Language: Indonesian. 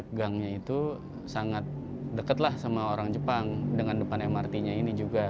gangnya itu sangat dekat lah sama orang jepang dengan depan mrt nya ini juga